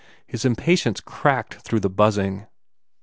His impatience cracked through the buzzing.